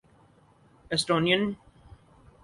Estonian